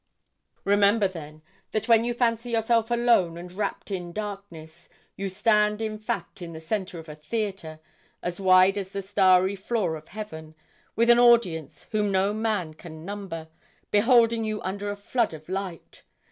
'Remember, then, that when you fancy yourself alone and wrapt in darkness, you stand, in fact, in the centre of a theatre, as wide as the starry floor of heaven, with an audience, whom no man can number, beholding you under a flood of light.